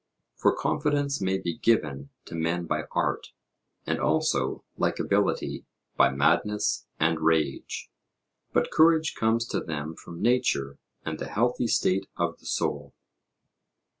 For confidence may be given to men by art, and also, like ability, by madness and rage; but courage comes to them from nature and the healthy state of the soul.